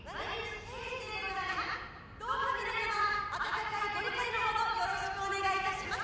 「どうか皆様温かいご理解のほどよろしくお願い致します」